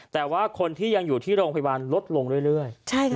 แต่ว่าคนที่ยังอยู่ที่โรงพยาบาลลดลงเรื่อย